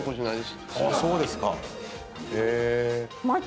そうですか。